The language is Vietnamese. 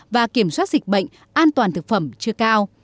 và kiểm soát dịch bệnh an toàn thực phẩm chưa cao